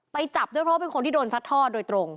ไปจับด้วยว่าเขาเป็นคนที่โดนซัดทอดโดยตรง